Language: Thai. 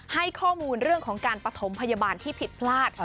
ให้ข้อมูลเรื่องของการปฐมพยาบาลที่ผิดพลาด